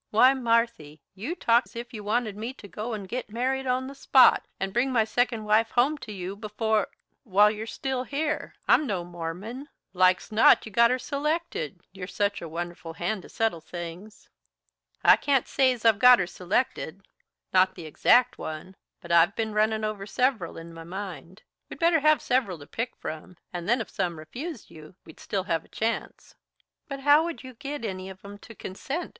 Why, Marthy, you talk 's if you wanted me to go 'n' git married on the spot and bring my second wife home to you before while you're still here. I'm no Mormon. Like's not you've got her selected; you're such a wonderful hand to settle things." "I can't say 's I've got her selected not the exact one but I've ben runnin' over several in my mind. We'd better have several to pick from, and then if some refused you, we'd still have a chance." "But how would you git any of 'em to consent?"